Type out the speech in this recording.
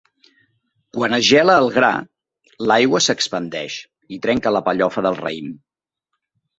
Quan es gela el gra, l'aigua s'expandeix i trenca la pellofa del raïm.